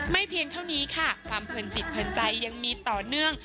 เพียงเท่านี้ค่ะความเพลินจิตเพลินใจยังมีต่อเนื่อง